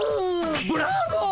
ブラボー！